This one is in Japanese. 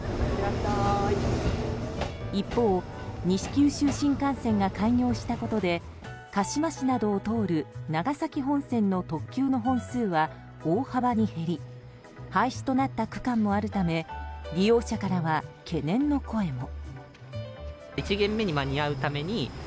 一方、西九州新幹線が開業したことで鹿島市などを通る長崎本線の特急の本数は廃止となった区間もあるため利用者からは懸念の声も。